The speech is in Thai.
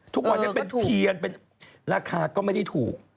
ทุกวันนี้เป็นเทียนเป็นราคาก็ไม่ได้ถูก